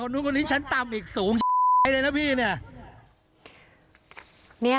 กระทั่งตำรวจก็มาด้วยนะคะ